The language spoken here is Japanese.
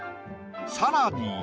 さらに。